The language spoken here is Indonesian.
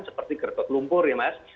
seperti gertok lumpur ya mas